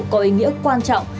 có ý nghĩa quan trọng